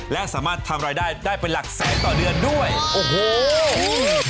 และสามารถทำรายได้ได้เป็นหลักแสนต่อเดือนด้วยโอ้โห